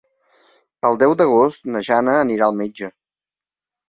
El deu d'agost na Jana anirà al metge.